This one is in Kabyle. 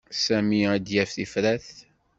Sami ad d-yaf tifrat.